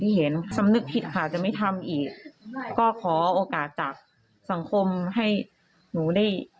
เห็นสำนึกผิดค่ะจะไม่ทำอีกก็ขอโอกาสจากสังคมให้หนูได้